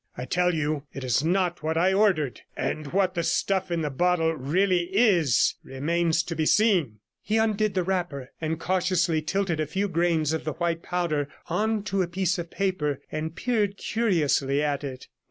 I tell you, it is not what I ordered; and what the stuff in the bottle really is remains to be seen.' He undid the wrapper, and cautiously tilted a few grains of the white powder on to a piece of paper, and peered curiously at it.